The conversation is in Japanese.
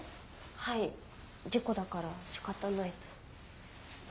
はい事故だからしかたないと。